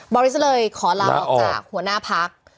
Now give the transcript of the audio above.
อริสเลยขอลาออกจากหัวหน้าพัก